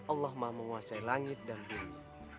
allah maha menguasai langit dan bumi